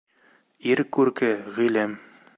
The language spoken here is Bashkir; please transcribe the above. Ир күрке ғилем.